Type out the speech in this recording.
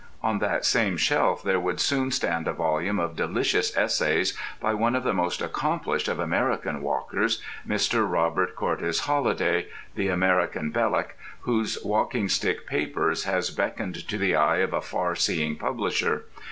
On that same shelf there will soon stand a volume of delicious essays by one of the most accomplished of American walkers, Mr. Robert Cortes Holliday, the American Belloc, whose "Walking Stick Papers" has beckoned to the eye of a far seeing publisher.